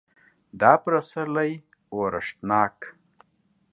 دا پسرلی اورښتناک